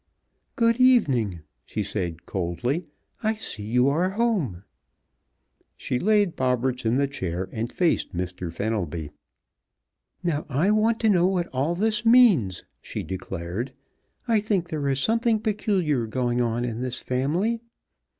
"Good evening," she said, coldly. "I see you are home." She laid Bobberts in the chair and faced Mr. Fenelby. "Now, I want to know what all this means!" she declared. "I think there is something peculiar going on in this family.